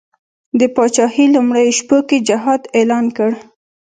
د پاچهي لومړیو شپو کې جهاد اعلان کړ.